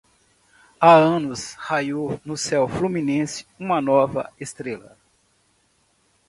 Há anos raiou no céu fluminense uma nova estrela.